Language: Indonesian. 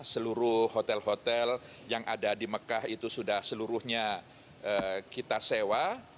seluruh hotel hotel yang ada di mekah itu sudah seluruhnya kita sewa